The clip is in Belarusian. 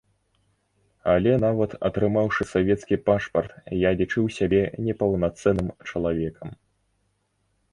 Але нават атрымаўшы савецкі пашпарт, я лічыў сябе непаўнацэнным чалавекам.